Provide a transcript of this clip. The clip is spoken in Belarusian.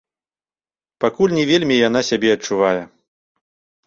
Пакуль не вельмі яна сябе адчувае.